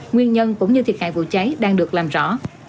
nguyên nhân cũng như thiệt hại vụ cháy đang được làm rõ